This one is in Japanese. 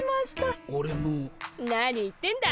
何言ってんだ。